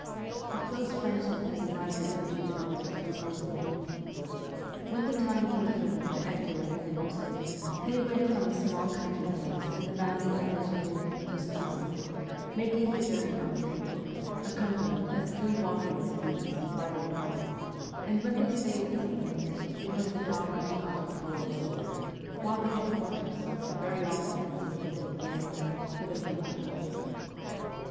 A close friendship has united the two brothers from early youth. When the time came for them to enter a university, they went from a small country place in the valley of the Gironde to Strasburg, making the journey on foot accompanied, as true wandering students, by their dog ; and when they stayed at some village it was the dog which got his bowl of soup, while the two brothers' supper very often consisted of bread only, with a few apples.